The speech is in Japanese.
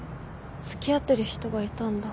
付き合ってる人がいたんだ。